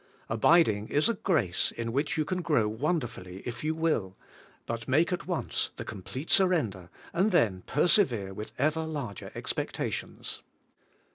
Abiding is a grace in which you can grow wonderfully, if you will, but make at once the complete surrender, and then per severe with ever larger expectations.